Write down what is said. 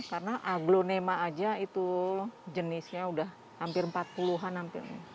karena aglonema aja itu jenisnya udah hampir empat puluh an hampir